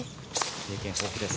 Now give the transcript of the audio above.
経験豊富です。